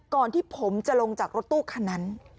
ก่อนที่ผมจะลงจากรถตู้คันนั้น